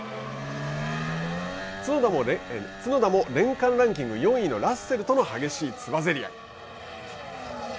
角田も年間ランキング４位のラッセルとの激しいつばぜり合い。